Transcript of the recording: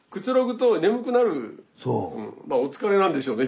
まあお疲れなんでしょうね